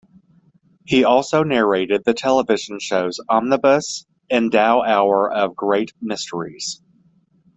He also narrated the television shows "Omnibus" and "Dow Hour of Great Mysteries".